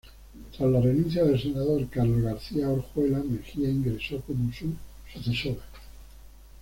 Tras la renuncia del senador Carlos García Orjuela, Mejía ingresó como su sucesora.